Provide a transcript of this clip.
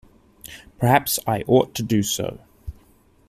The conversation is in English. Perhaps I ought to do so.